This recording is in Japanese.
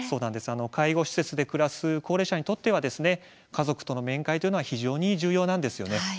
介護施設で暮らす高齢者にとっては、家族との面会というのは非常に重要なんです。